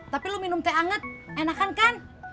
tapi lu minum teh anget enakan kan